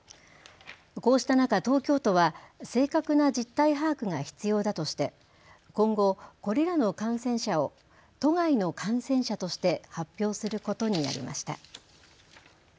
こうした中、東京都は正確な実態把握が必要だとして今後、これらの感染者を都外の感染者として発表することになりました。